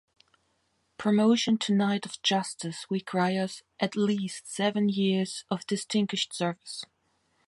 Promotion to Knight of Justice requires at least seven years of distinguished service.